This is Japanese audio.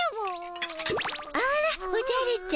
あらおじゃるちゃん。